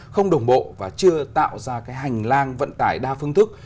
không đồng bộ và chưa tạo ra cái hành lang vận tải đa phương thức